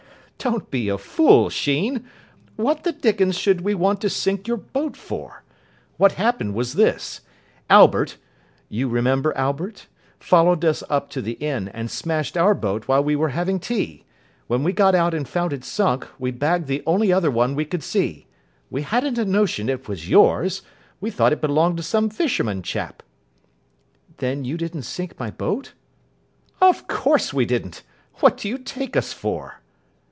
"Don't be a fool, Sheen. What the dickens should we want to sink your boat for? What happened was this. Albert you remember Albert? followed us up to the inn, and smashed our boat while we were having tea. When we got out and found it sunk, we bagged the only other one we could see. We hadn't a notion it was yours. We thought it belonged to some fisherman chap." "Then you didn't sink my boat?" "Of course we didn't. What do you take us for?"